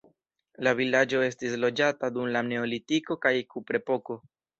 La vilaĝo estis loĝata dum la neolitiko kaj kuprepoko.